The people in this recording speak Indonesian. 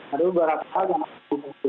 ada beberapa hal yang harus dibantu